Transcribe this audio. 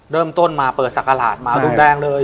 เริ่มต้นมาเปิดศักราชมารุนแรงเลย